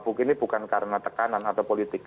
buk ini bukan karena tekanan atau politik